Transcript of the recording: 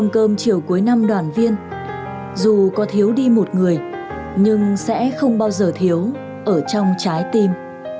cơm chiều cuối năm đoàn viên dù có thiếu đi một người nhưng sẽ không bao giờ thiếu ở trong trái tim